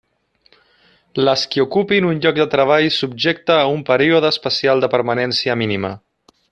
Les qui ocupin un lloc de treball subjecte a un període especial de permanència mínima.